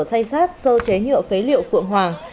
say sát sơ chế nhựa phế liệu phượng hoàng